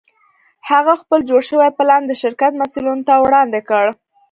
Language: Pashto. هغه خپل جوړ شوی پلان د شرکت مسوولینو ته وړاندې کړ